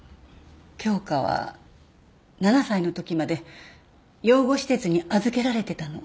京花は７歳のときまで養護施設に預けられてたの。